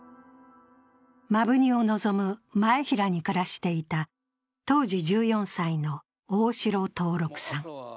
摩文仁を望む真栄平に暮らしていた、当時１４歳の大城藤六さん。